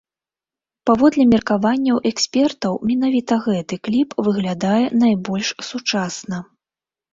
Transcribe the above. Паводле меркаванняў экспертаў, менавіта гэты кліп выглядае найбольш сучасна.